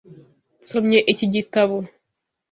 Nsomye iki gitabo.